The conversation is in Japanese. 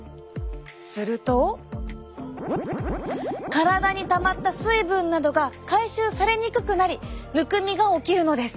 すると体にたまった水分などが回収されにくくなりむくみが起きるのです。